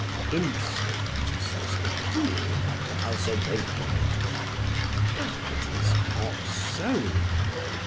Instinct, says the fool, has awakened. But it is not so.